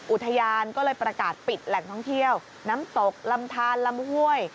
อุทยานก็เลยประกาศปิดแหล่งท่องเที่ยวน้ำตกลำทานลำห้วย